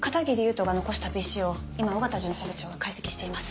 斗が残したＰＣを今緒方巡査部長が解析しています。